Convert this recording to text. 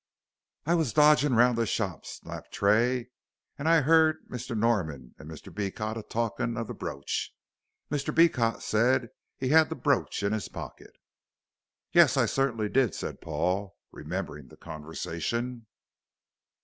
"I was a dodgin' round the shorp," snapped Tray, "and I 'eard Mr. Norman an' Mr. Beecot a talkin' of the brooch; Mr. Beecot said as he 'ad the brooch in 'is pocket " "Yes, I certainly did," said Paul, remembering the conversation.